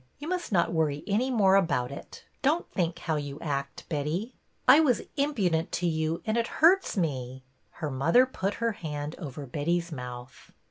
You must not worry any more about it. Don't think how you act, Betty." I was impudent to you and it hurts me —" Her mother put her hand over Betty's mouth.